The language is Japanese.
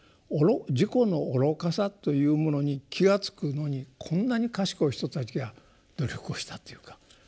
自己の愚かさというものに気が付くのにこんなに賢い人たちが努力をしたっていうか。